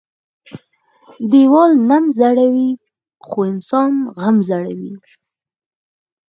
ـ ديوال نم زړوى خو انسان غم زړوى.